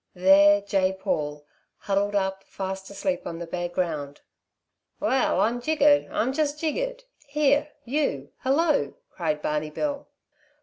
There lay Paul, huddled up, fast asleep on the bare ground. "Well, I'm jiggered! I'm just jiggered. Here, you hello!" cried Barney Bill.